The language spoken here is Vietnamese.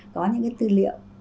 có những cái tư liệu